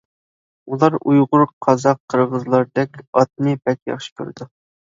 ئۇلار ئۇيغۇر، قازاق، قىرغىزلاردەك ئاتنى بەك ياخشى كۆرىدۇ.